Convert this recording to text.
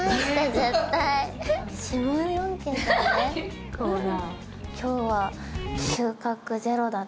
結構な。